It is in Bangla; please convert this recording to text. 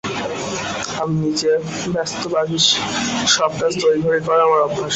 আমি নিজে ব্যস্তবাগীশ, সব কাজ তড়িঘড়ি করা আমার অভ্যাস।